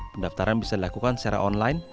pendaftaran bisa dilakukan secara online